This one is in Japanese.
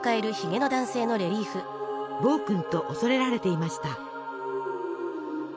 暴君と恐れられていました。